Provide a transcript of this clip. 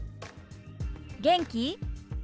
「元気？」。